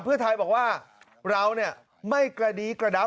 เพื่อไทยบอกว่าเราเนี่ยไม่กระดีกระดาษ